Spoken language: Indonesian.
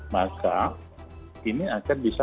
maka ini akan bisa